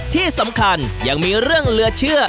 ที่สำคัญยังมีเรื่องเหลือเชื่อ